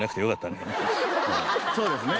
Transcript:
そうですね